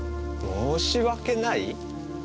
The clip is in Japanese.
申し訳ない？